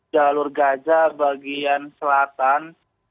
jalur gaza bagian selatan